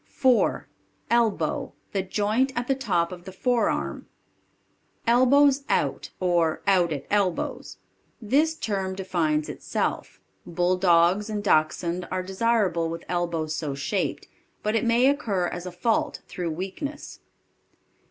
4. ELBOW. The joint at the top of the forearm. Elbows Out or "Out at Elbows." This term defines itself. Bulldogs and Dachshunde are desirable with elbows so shaped, but it may occur as a fault through weakness.